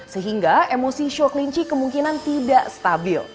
sehingga emosi show kelinci kemungkinan tidak stabil